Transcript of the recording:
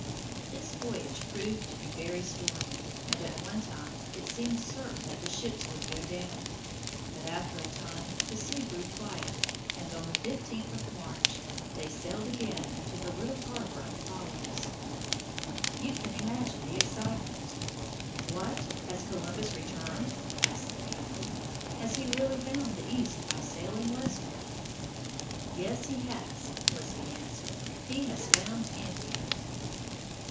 This voyage proved to be very stormy, and at one time it seemed certain that the ships would go down; but after a time the sea grew quiet, and on the 15th of March they sailed again into the little harbor of Palos. You can imagine the excitement. "What! has Columbus returned?" asked the people. "Has he really found the East by sailing westward?" "Yes, he has," was the answer. "He has found India."